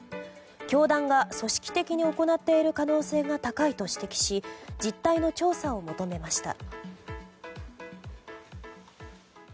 教団が組織的に行っている可能性が高いと指摘し実態の調査を求めました。